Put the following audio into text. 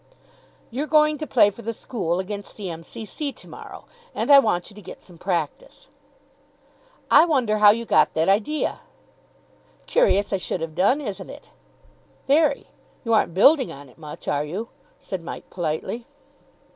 "You're going to play for the school against the M.C.C. to morrow, and I want you to get some practice." "I wonder how you got that idea!" "Curious I should have done, isn't it?" "Very. You aren't building on it much, are you?" said Mike politely.